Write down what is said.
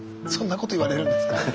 そんなこと言われるんですか？